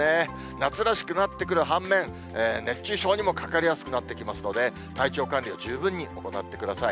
夏らしくなってくる反面、熱中症にもかかりやすくなってきますので、体調管理を十分に行ってください。